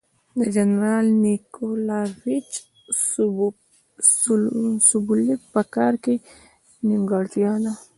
د جنرال نیکولایویچ سوبولیف په کار کې نیمګړتیا ده.